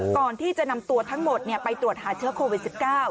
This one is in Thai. ก่อนที่จะนำตรวจทั้งหมดเนี่ยไปตรวจหาเชื้อโควิดสิบเก้า